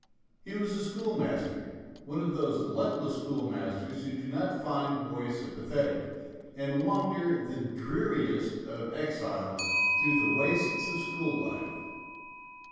He was a school master, one of those luckless schoolmasters who do not find boys sympathetic, and wander, the dreariest of exiles, through the wastes of school life.